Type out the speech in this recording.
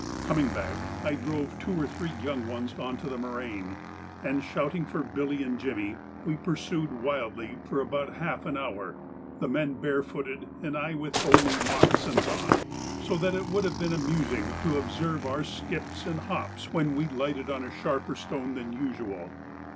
Coming back, I drove two or three young ones on to the moraine, and, shouting for Billy and Jimmy, we pursued wildly for about half an hour, the men barefooted and I with only moccasins on, so that it would have been amusing to observe our skips and hops when we lighted on a sharper stone than usual.